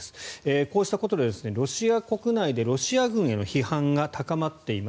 こうしたことでロシア国内でロシア軍への批判が高まっています。